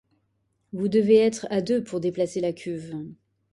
vous devez être à deux pour déplacer la cuve